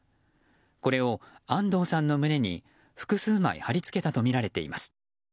これを安藤さんの胸に複数枚貼り付けたとみられています。